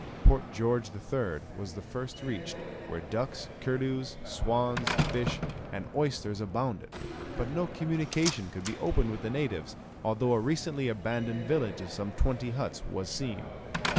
Port George III. was the first reached, where ducks, curlews, swans, fish, and oysters abounded; but no communication could be opened with the natives, although a recently abandoned village of some twenty huts was seen.